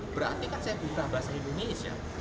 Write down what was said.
berarti kan saya minta bahasa indonesia